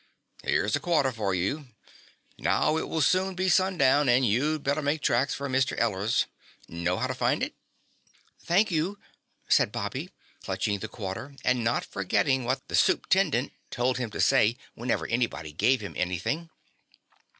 "Here's a quarter for you. Now it will soon be sundown and you'd better make tracks for Mr. Eller's. Know how to find it?" "Thank you," said Bobby, clutching the quarter and not forgetting what the Supe'tendent told him to say whenever anybody gave him anything.